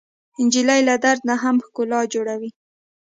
نجلۍ له درد نه هم ښکلا جوړوي.